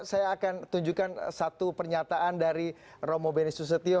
saya akan tunjukkan satu pernyataan dari romo benistus setio